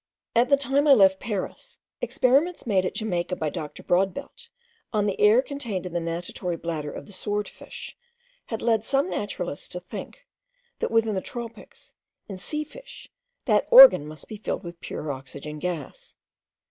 At the time I left Paris, experiments made at Jamaica by Dr. Brodbelt, on the air contained in the natatory bladder of the sword fish, had led some naturalists to think, that within the tropics, in sea fish, that organ must be filled with pure oxygen gas.